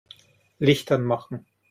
Licht anmachen.